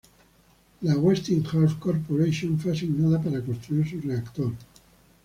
La Westinghouse Corporation fue asignada para construir su reactor.